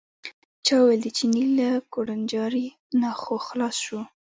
پاچا وویل د چیني له کوړنجاري نه خو خلاص شو.